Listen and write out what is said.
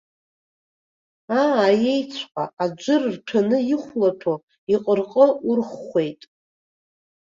Аа, аиеиҵәҟьа, аџыр рҭәаны ихәлаҭәо, иҟырҟы урхәхәеит.